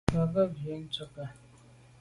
Mba be a’ ghù à ndùke.